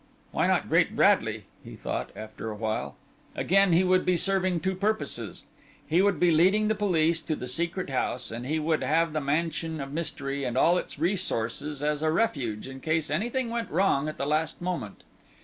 Why not Great Bradley, he thought, after a while? Again he would be serving two purposes. He would be leading the police to the Secret House, and he would have the mansion of mystery and all its resources as a refuge in case anything went wrong at the last moment.